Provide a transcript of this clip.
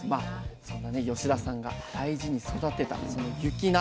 そんな田さんが大事に育てたその雪菜。